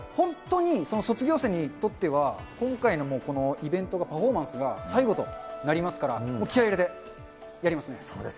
本当に卒業生にとっては、今回のこのイベントが、パフォーマンスが、最後となりますから、そうですね。